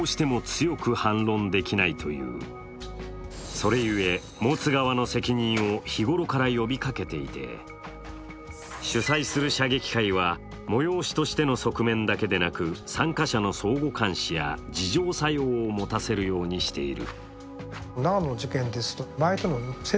それゆえ、持つ側の責任を日頃から呼びかけていて主催する射撃会は催しとしての側面だけでなく参加者の相互監視や自浄作用を持たせるようにしている。